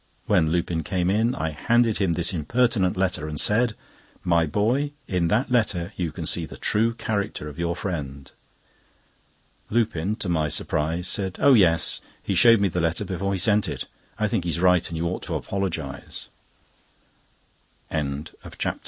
When Lupin came in, I handed him this impertinent letter, and said: "My boy, in that letter you can see the true character of your friend." Lupin, to my surprise, said: "Oh yes. He showed me the letter before he sent it. I think he is right, and you